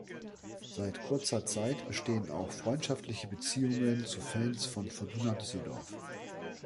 Seit kurzer Zeit bestehen auch freundschaftliche Beziehungen zu Fans von Fortuna Düsseldorf.